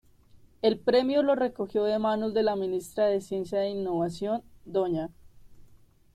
El Premio lo recogió de manos de la Ministra de Ciencia e Innovación, Dña.